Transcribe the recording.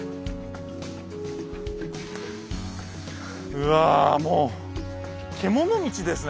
うわもう獣道ですね